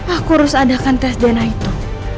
aku harus adakan tes dna itu